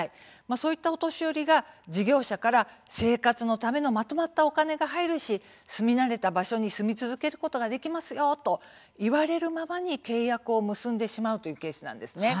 そういったお年寄りが事業者から生活のためのまとまったお金が入るし住み慣れた場所に住み続けることができますよと言われるままに契約を結んでしまうというケースです。